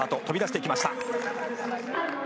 飛び出していきました。